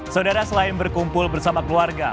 saudara selain berkumpul bersama keluarga